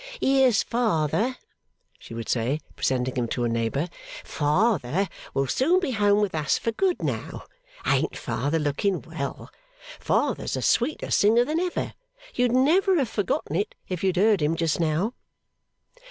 'Here's Father,' she would say, presenting him to a neighbour. 'Father will soon be home with us for good, now. Ain't Father looking well? Father's a sweeter singer than ever; you'd never have forgotten it, if you'd aheard him just now.